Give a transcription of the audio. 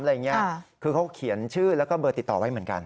อะไรอย่างนี้คือเขาเขียนชื่อแล้วก็เบอร์ติดต่อไว้เหมือนกัน